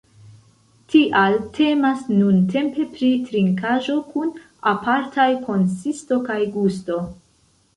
Tial temas nuntempe pri trinkaĵo kun apartaj konsisto kaj gusto.